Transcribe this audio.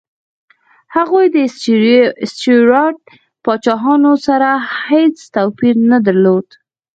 هغوی د سټیوراټ پاچاهانو سره هېڅ توپیر نه درلود.